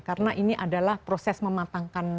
karena ini adalah proses mematangkan